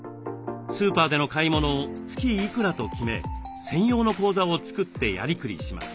スーパーでの買い物を「月いくら」と決め専用の口座を作ってやりくりします。